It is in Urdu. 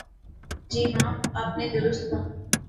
جی ہاں، آپ نے درست کہا۔